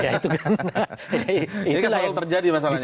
itu kan selalu terjadi masalahnya ya